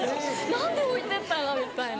何で置いてったの⁉みたいな。